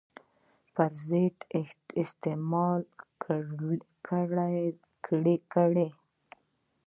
په ضد استعمال کړلې.